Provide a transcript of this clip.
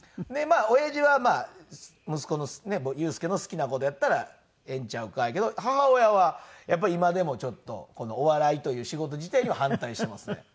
で親父はまあ息子のねえ裕介の好きな事やったらええんちゃうかやけど母親はやっぱり今でもちょっとこのお笑いという仕事自体には反対してますね。